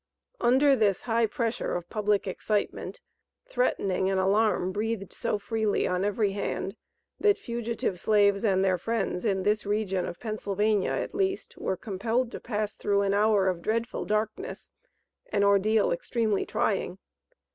Under this high pressure of public excitement, threatening and alarm breathed so freely on every hand, that fugitive slaves and their friends in this region of Pennsylvania at least, were compelled to pass through an hour of dreadful darkness an ordeal extremely trying.